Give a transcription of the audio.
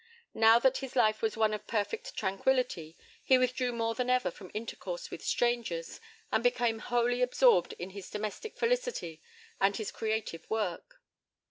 Now that his life was one of perfect tranquillity, he withdrew more than ever from intercourse with strangers, and became wholly absorbed in his domestic felicity and his creative work.